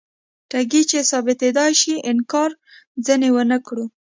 ټکي چې ثابتیدای شي انکار ځینې ونکړو.